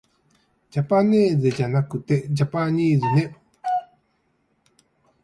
じゃぱねーぜじゃなくてじゃぱにーずね